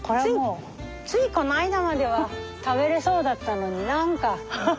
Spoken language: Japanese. ついこの間までは食べれそうだったのに何か。